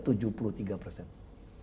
anda puas dengan kerjaan saya